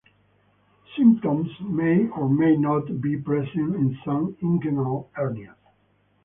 Symptoms may or may not be present in some inguinal hernias.